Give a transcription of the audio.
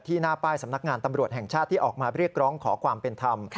หน้าป้ายสำนักงานตำรวจแห่งชาติที่ออกมาเรียกร้องขอความเป็นธรรม